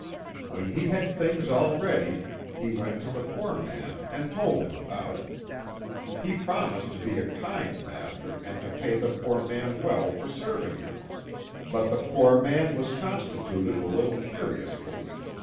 When he had things all ready, he went to the poor man and told him about it. He promised to be a kind master and to pay the poor man well for serving him. But the poor man was constituted a little curiously.